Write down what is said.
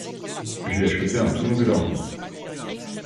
J'ai acheté un tout nouvel ordi.